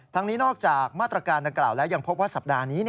นี้นอกจากมาตรการดังกล่าวแล้วยังพบว่าสัปดาห์นี้